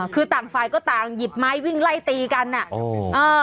คือต่างฝ่ายก็ต่างหยิบไม้วิ่งไล่ตีกันอ่ะ